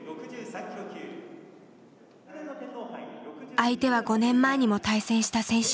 相手は５年前にも対戦した選手。